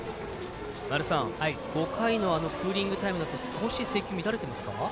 ５回のクーリングタイムのあと少し制球、乱れてますか？